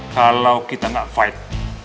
kalau kita gak fight